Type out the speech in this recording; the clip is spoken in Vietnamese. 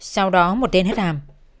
sau đó một tên hết hàm